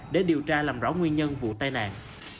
để điều tra làm rõ nguyên nhân vụ tai nạn